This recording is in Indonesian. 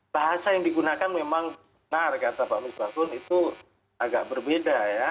bahasa yang digunakan memang benar kata pak misbahun itu agak berbeda ya